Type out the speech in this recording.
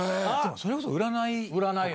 それこそ占い？